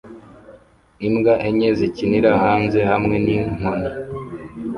Imbwa enye zikinira hanze hamwe ninkoni